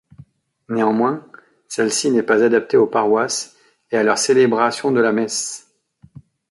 Néanmoins, celle-ci n'est pas adaptée aux paroisses et à leur célébration de la messe.